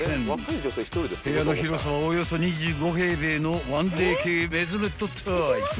［部屋の広さはおよそ２５平米の１ＤＫメゾネットタイプ］